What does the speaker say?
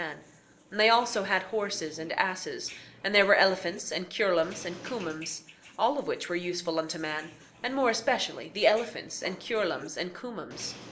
9:19 And they also had horses, and asses, and there were elephants and cureloms and cumoms; all of which were useful unto man, and more especially the elephants and cureloms and cumoms.